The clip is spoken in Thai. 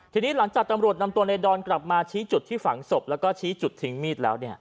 ทีนี้หลังจากตำรวจนำตัวในดอนกลับมาชี้จุดที่ฝังศพแล้วก็ชี้จุดทิ้งมีดแล้ว